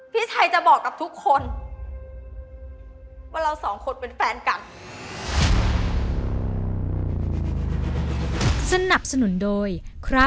พี่ชัยจะบอกกับทุกคน